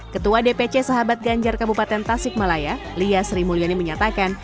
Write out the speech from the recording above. ketua dpc sahabat ganjar kabupaten tasik malaya lia sri mulyani menyatakan